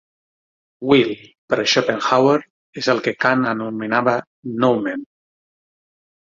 Will, per Schopenhauer, és el que Kant anomenava noümen.